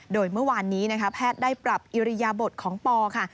โดยเมื่อวานนี้นะคะแพทย์ได้ปรับอิริยบทของปอค่ะ